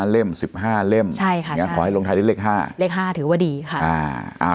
๕เล่ม๑๕เล่มอย่างนี้ขอให้ลงท้ายได้เลข๕ถือว่าดีค่ะ